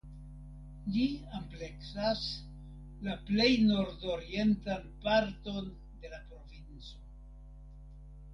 Ĝi ampleksas la plej nordorientan parton de la provinco.